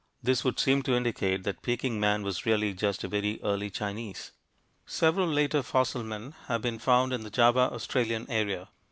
This would seem to indicate that Peking man was really just a very early Chinese. Several later fossil men have been found in the Java Australian area.